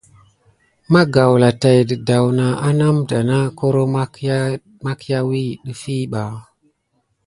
Ma gawla tay dədawna anamda na koro makiawi ɗəf i ɓa.